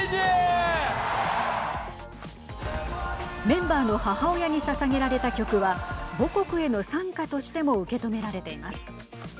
メンバーの母親にささげられた曲は母国への賛歌としても受け止められています。